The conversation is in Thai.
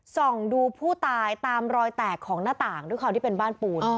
ส่องดูผู้ตายตามรอยแตกของหน้าต่างด้วยความที่เป็นบ้านปูน